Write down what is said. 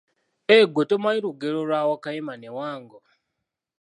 Eh, ggwe tomanyi lugero lwa wakayima ne wango.